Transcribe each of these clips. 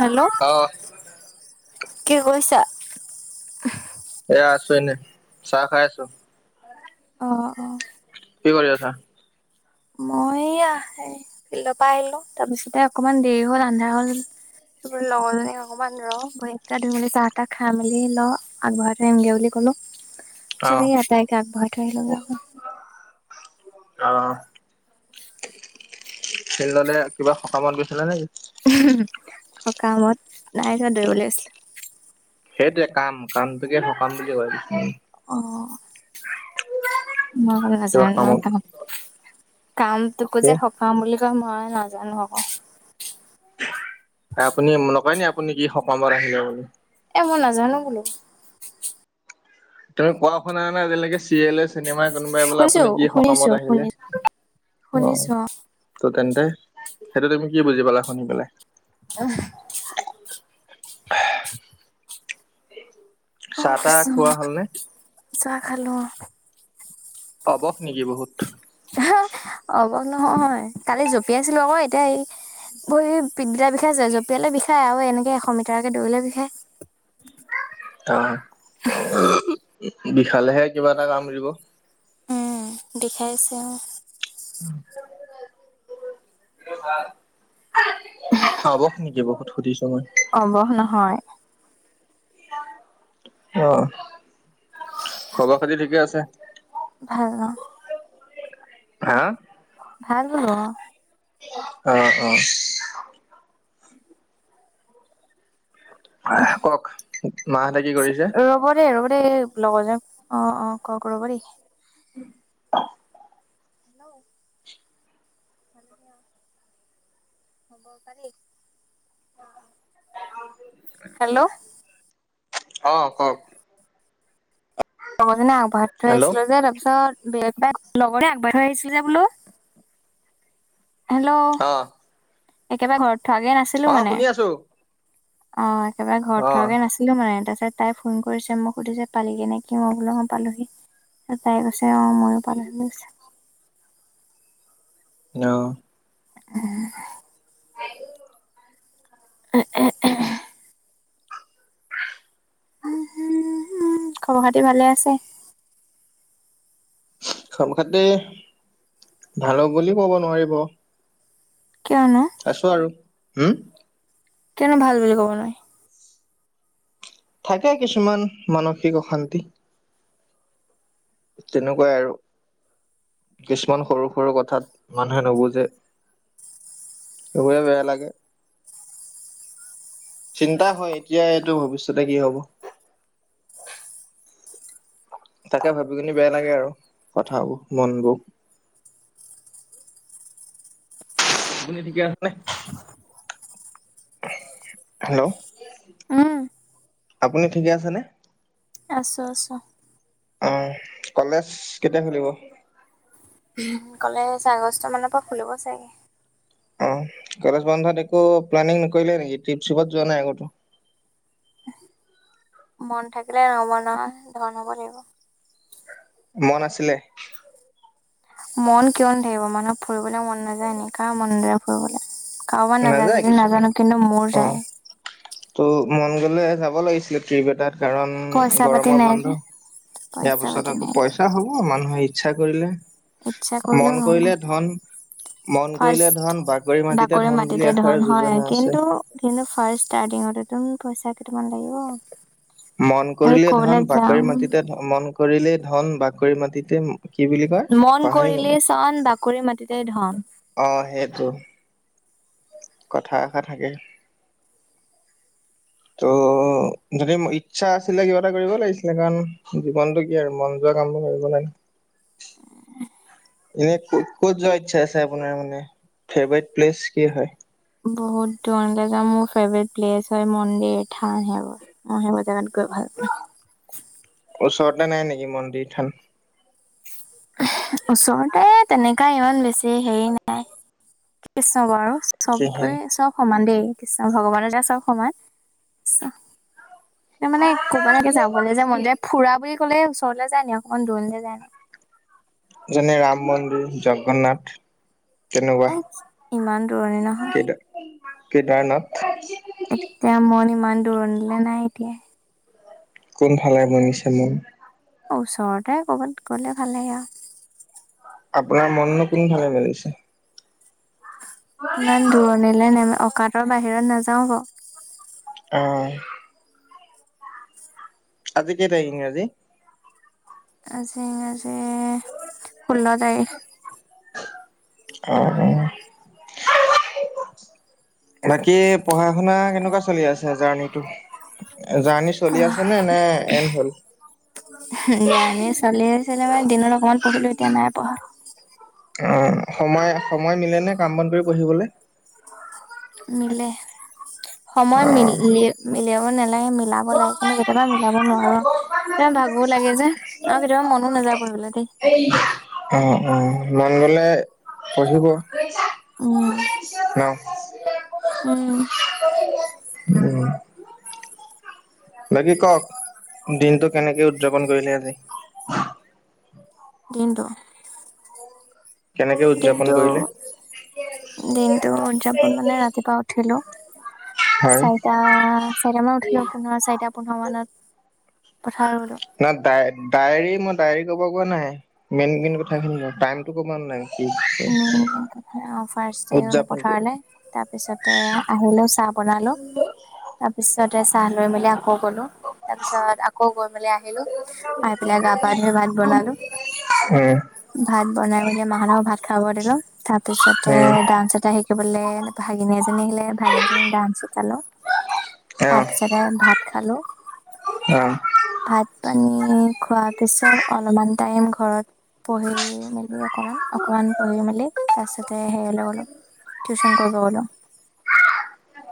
Hello? অ'! কি কৰিছা? এ, আছোঁ এনে, চাহ খাই আছোঁ। অ' অ'! কি কৰি আছা? মই এইয়া, ফিল্ডৰ পৰা আহিলোঁ। তাৰপিছতে, অকমান দেৰি হ'ল, আন্ধাৰ হ'ল। লগৰজনীক অকমান, ৰ'। মই এতিয়া, ধুই মেলি চাহ- তাহ খাই মেলি ল', আগবঢ়াই থৈ আহিমগে বুলি ক'লো। অ তুমি আটাইকে আগবঢ়াই থৈ আহিবাগে আ'ক? অ'! ফিল্ডলে, কিবা সকামত গৈছিলা নে কি? ওহোঁ! সকামত, নাই যোৱা, দৌৰিবলে গৈছিলোঁ। সেইটোৱে, কাম কামটোকে, সকাম বুলি কয়। অ'! মই কিবা কামত [unintelligible] কাম, কাম। তোকো কি যে, সকাম বুলি কয়, মই নাজানোঁ আ'ক। আপুনি নকয় নি? আপুনি কি সকামত আহিলে বুলি। এ, মই নাজানোঁ বোলো। তুমি কোৱা শুনা নাই, আজিলৈকে? চিৰিয়েলে, চিনেমাই। কোনবাই বোলে, শুনিছো আপুনি কি শুনিছো সকামত আহিলে? শুনি অ'! শুনিছো ত' তেন্তে, সেইটো তুমি কি বুজি পালা, শুনি পেলাই? [unintelligible] চাহ অ'! তাহ কৃষ্ণ, খোৱা হ'লনে চাহ খালোঁ। অ'! অবস নেকি বহুত? অবস নহয়, কালি জঁপিয়াছিলো আকৌ। এতিয়া, এই ভৰি বিষাইছে, জঁপিয়ালে বিষাই। আৰু এনেকে, এশ মিটাৰকে দৌৰিলে বিষাই। অ'! [unintelligible] বিষালেহে, কিবা এটা কাম দিব। উম বিষাইছে, অ'! [unintelligible] [unintelligible] সুধিছোঁ মই। অবস নহয়। অ'! খবৰ- খাতি ঠিকে আছে? ভাল ন'? হা? ভাল বোলো, অ'! অ'! অ'! [unintelligible] [unintelligible] কওঁক মাহঁতে কি কৰিছে? ৰ'ব দেই ৰ'ব দেই লগৰ যেন অঁ অঁ কওক ৰ'ব দেই। উম। হেল্লো ভালে দিয়া। হ'ব পালি অ অ হেল্লো। অঁ কক। লগৰজনে আগবাঢ়াই থৈ হেল্ল' আহিছিলে যে তাপিছত বেলেতনে লগতনে আগবাই থৈ আহিছিলে বোলো। হেল্লো অঁহ। একেবাৰে ঘৰত থৱাগে নাছি। অঁ শুনি আছোঁ। অঁ একেবাৰে ঘৰত থৱাগে নাছি। লো মানে তাছত তাই ফোন কৰিছে। মোক সুধিছে পালিগে নেকি? অঁ বোলো ময় পালোহি। তাত তাই কৈছে অঁ ময়ো পালোঁহি বুলি কৈছে। ন। উম। আইও। এ এ এহ। উমহু হুম খবৰ খাতি ভালে আছে? খব খাতি ভালক বুলিও ক'ব নোৱাৰিব। কিয়নো? আছো আৰু হুম। কেনে ভাল বুলি ক'ব নোৱাৰি? থাকে কিছুমান মানসিক অশান্তি। তেনকুৱাই আৰু। কিছুমান সৰু সৰু কথাত মানুহে নুবুজে। চোবই বেয়া লাগে। চিন্তা হয়, এতিয়া এইটো ভৱিষ্যতে কি হ'ব? তাকে ভাবি কিনি বেয়া লাগে আৰু কথাবো মনবোৰ। আপুনি ঠিকে আছেনে? হেল্লো উম আপুনি ঠিকে আছেনে? আছো আছো। অঁহ কলেজ কেতিয়া খুলিব? উমহ ক'লেচ আগষ্ট মান পা খুলিব চাগে। অ, কলেজ বন্ধত একো প্লেনিং নকৰিলে নেকি ট্ৰিপ চিপত যোৱা নাই আগতো? মন থাকিলে নহব ন ধন হব লাগিব। মন আছিলে। মন কিয় নাথাকিব মানুহ ফুৰিবলৈ মন নাযায় কাৰ মন নাযায় ফুৰিবলৈ। কাৰোবাৰ নাযায় যদি নাজানো কিন্তু মোৰ অ'। যায়। ত' মন গ'লে যাব লাগিছিলে ট্ৰিপ এটাত? কাৰণ পইচা পাতি গৰমৰ নাই যে বন্ধ। ইয়াৰ পইচা পাতি পিছত আকৌ নাই পইচ। তা হ'ব মানুহে ইচ্ছা কৰিলে। ইচ্ছা কৰিলেও মন কৰিলে নহব ধন, মন কৰিলে ফাৰ্ষ্ট ধন বাগৰি মাটিত। তে বাকৰে ধন বুলি মাটিতে ধন এষাৰ হয় যোজনা আছে। কিন্তু কিন্তু ফাৰ্ছ ষ্টাৰ্তিংতে তুম পইচা কেইটামান লাগিব? মন আৰু কৰিলে ক'বালৈ ধন যাম বাকৰি মাটিতে মন কৰিলেই ধন বাকৰি মাটিতে কি বুলি কয়? মন পাহৰি গ'লো, কৰিলেই চন বাকৰি মাটিতে ধন। অ সেইটো, কথা এষাৰ থাকে। তো উ যদি ইচ্ছা আছিলে কিবা এটা কৰিব লাগিছিলে কাৰণ জীৱনটো কি আৰু মন যোৱা কামবোৰ কৰিব লাগে। উম। এনে ক ক'ত যোৱা ইচ্ছা আছে আপোনাৰ মানে ফেভৰেট প্লেচ কি হয়? বহুত দূৰণলৈ যাম, মোৰ ফেভৰেট প্লেচ হয় মন্দিৰ, থান সেইবোৰ। অ সেই বজানত গৈ ভাল। ওচৰতে নাই নেকি মন্দিৰ, থান? এহে ওচৰতে তেনেকা ইমান বেছি হেৰি নাই কি ছ বাৰু? কি হয়? চবেই চব সমান দেই, কৃষ্ণ ভগৱান এ চব সমান। চ ত মানে ক'ব নেকে যাবলৈ যে মন যায় ফুৰা বুলি কলে ওচৰলে যায় ন অকণমান দূৰনিলে যায় ন। যেনে ৰাম মন্দিৰ, জগন্নাথ তেনেকুৱা, ইমান দূৰণি নহয়। কেইটা কেইটাণত এতিয়া মন ইমান দূৰণিলে নাই এতিয়া। কোনফালে বনিছে মন? অ ওচৰতে ক'ৰবাত গ'লে ভাল লাগে আৰু। আপোনাৰ মনো কোনফালে মিলিছে? ইমান দূৰণিলে ন অকাতৰ বাহিৰত নাযাও ব। আহ। আজি কেই তাৰিখ ইংৰাজী? আজি আজি ষোল্ল তাৰিখ। অ। বাকী পঢ়া - শুনা কেনেকুৱা চলি আছে জাৰ্ণিটো? জাৰ্ণি চলি আছে নে নে এণ্ড হ'ল? উহো জাৰ্ণি চলি আছিলে মানে দিনত অকমান পঢ়িলো এতিয়া নাই পঢ়া। অঁ সময় সময় মিলেনে কাম বন কৰি পঢ়িবলৈ? মিলে, সময় মিলে অহ। উলিয়াব নালাগে মিলাব লাগে কিন্তু কেতিয়াবা মিলাব নোৱাৰো। তে ভাগো লাগে যে আৰু কেতিয়াবা মনো নাযায় পঢ়িবলে দেই। অ অ মন গলে পঢ়িব। উম। ন। উম। উম। বাকী কওক, দিনটো কেনেকে উদযাপন কৰিলে আজি? দিনটো? কেনেকে উদযাপন দিনটো কৰিলে? দিনটো উদযাপন মানে ৰাতিপুৱা উঠিলো। হয়। চাৰিটা - চাৰিটা মান উঠিলো, পোন্ধৰ চাৰিটা পোন্ধৰ মানত পথাৰ গলো। নাই ডায়ে ডায়েৰী মই ডায়েৰী কব কোৱা নাই মেইন মেইন কথাখিনি টাইমটো কব নাই। কি মেইন মেইন কথা অ ফাৰ্ষ্ট আহিলো উদযাপনটো। পথাৰলে তাৰপিছতে আহিলো চাহ বনালো তাৰ পিছতে চাহ লৈ মেলি আকৌ গ'লো তাৰ পিছত আ কৌ গৈ মেলি আহিলো, আহি পেলাই গা পা ধুই ভাত উম বনালো। ভাত বনাই মেলি মাহহতক ভাত খাব দিলো তাৰ পিছতে উম ডান্স এটা শি কিবলে ভাগিনী এজনী আহিলে, ভাগিনীজনিক ডান্স শিকালো তাৰ অহ পিছতে ভাত খালো। অহ। ভাত পানী খোৱা পিছত অলপমান টাইম ঘৰত পঢ়ি মেলি অকমান অ কমান পঢ়ি মেলি তাৰ পিছতে হেৰি গলো টিউচন কৰিব গলো।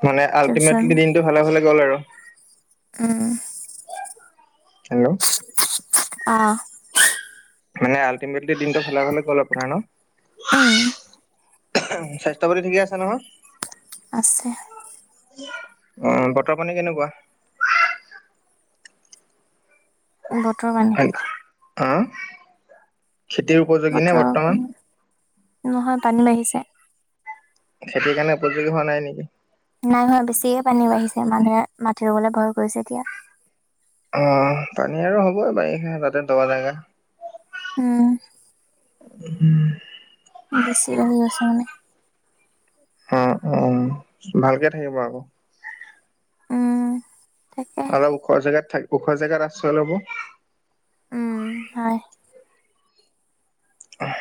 মানে টিউচন আল্টিমেটলি দিনটো ভালে ভালে গ'ল আৰু। উম। হেল্ল' অ মানে আল্টিমেটলি দিনটো ভালে ভালে গ'লে আপোনাৰ ন উম স্বাস্থ্য বাতি ঠিকে আছে নহয় আছে অ বতৰ পানী কেনেকুৱা বতৰ পান অহ খেতিৰ ওপৰত বতৰৰ পানী নহয় পানী বাঢ়িছে খেতিৰ কাৰণে উপযোগী হোৱা নাই নেকি? নাই হোৱা বেছিয়ে পানী বাঢ়িছে মানুহে মাটি ৰুবলৈ ভয় কৰিছে এতিয়া অ পানী আৰু হ'বই বাৰিষা তাতে দ জেগা উম উহুম বেছি বাঢ়ি গৈছে মানে উম অ ভালকে থাকিব আকৌ উম তাকে অলপ ওখৰ জেগাত থাক ওখৰ জেগাত আশ্ৰয় লব উম হয়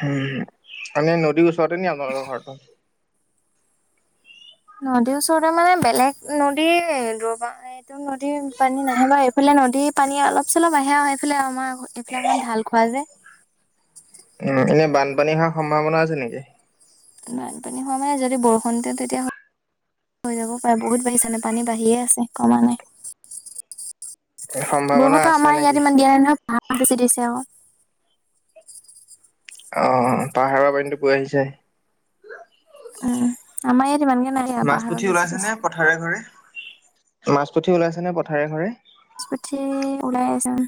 উ মান নদীৰ ওচৰতে নি আপোনালোকৰ ঘৰটো নদীৰ ওচৰতে মানে বেলেগ নদী দৰবা এইটো নদীৰ পানী নাহে বা এইফালে নদীৰ পানী অলপ চলপ আহে সেইফালে আমাৰ এইফালে অকণমান ঢাল খোৱা যে উ এনে বানপানী হোৱা সম্ভাৱনা আছে নেকি বানপানী হোৱা মানে যদি বৰষুণটো দিয়ে তেতিয়া হৈ যাবও পাৰে বহুত বাঢ়িছ নে পানী বাঢ়িয়ে আছে কমা নাই সম্ভাৱনা বৰষুণটো আছে আমাৰ নেকি? ইয়াত ইমান দিয়া নাই নহয় পাহাৰত বেছি দিছে অ'ক অ পাহাৰৰ পানীটো বৈ আহিছে উম আমাৰ ইয়াত ইমানকে নাইদিয়া মাছ পুঠি পাহাৰত বেছি ওলাইছে দিছে। নে পথাৰে ঘৰে মাছ পুঠি ওলাইছে নে পথাৰে ঘৰে পুঠি ওলাই আছে উম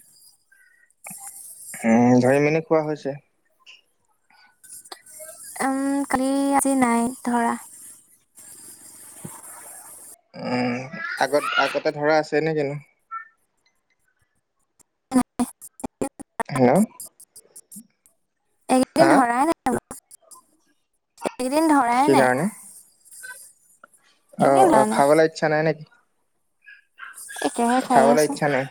উম ধৰি মেলি খোৱা হৈছে উম কালি আজি নাই ধৰা উম আগত আগতে ধৰা আছে নে কিনো [unintelligible] হেল্ল' হা এইকেইদিন ধৰাই নাই বোলো, এইকেইদিন ধৰাই কি নাই কাৰণে অ এনেই অ ধৰা নাই খাবলে ইচ্ছা নাই নেকি? একেৰাহে খাইে খাবলৈ আছো। ইচ্ছা নাই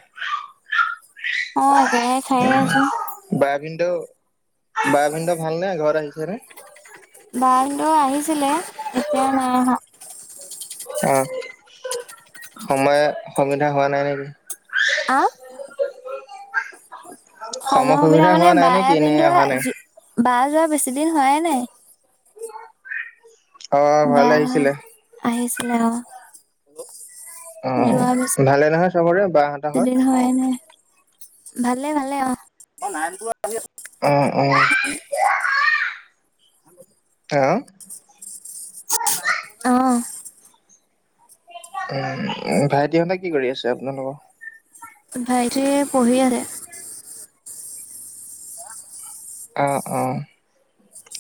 অ একেৰাহে খাইয়ে আছো বাই ভিন্ধ বাই ভিন্ধ ভাল নে ঘৰ আহিছে নে বা ভিন্দ আহিছিলে এতিয়া নাই অহা অ সময় সুবিধা হোৱা নাই নেকি আ সময় সুবিধা মানে হোৱা নাই বায়ে নেকি নে ভিন্ধৱে অহা নাই বা যোৱা বেছি দিন হোৱায়ে নাই অ বা ঘৰলে আহিছিলে আহিছিলে অ অ ভালে নহয় চবৰে বা দুদিন হোৱাই নাই, ভালে ভালে অ অ, নাৰপুৰত আহি আছো অ অ অ অ উ ভাইটিহঁতে কি কৰি আছে আপোনালোক ভাইটিয়ে পঢ়ি আছে। [unintelligible] অ', অ',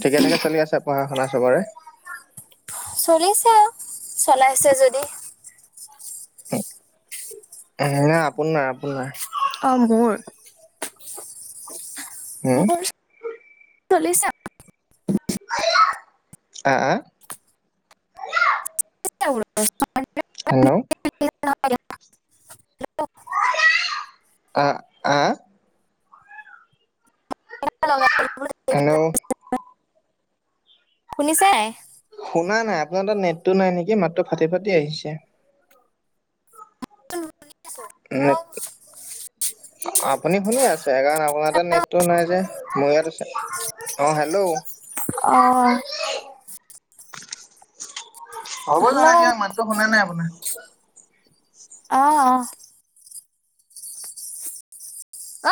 ঠিকে থাকে চলি আছে পঢ়া শুনা চবৰে? চলিছে আৰু চলাইছে যদি। উম, এ হে আপোনাৰ - আপোনাৰ অ, মোৰ। উম মোৰ চলিছে আও। [unintelligible] [unintelligible] হেল্ল', [unintelligible] আ, আহ? হেল্ল' [unintelligible] শুনিছে? শুনা নাই আপোনাৰ তাত নেটটো নাই নেকি মাতটো ফাটি- ফাটি আহিছে? [unintelligible] আপুনি শুনি আছে সেইকাৰনে [unintelligible] তোমাৰ তাত নেটটো নাই যে মোৰ ইয়াত আছে অ, হেল্ল', অ', হ'ব জানা হেল্ল', কিয় মাতটো শুনা নাই আপোনাৰ অ', অ', অ'।